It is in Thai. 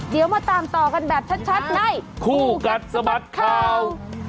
เดี๋ยวมาตามต่อกันแบบชัดในคู่กัดสะบัดข่าว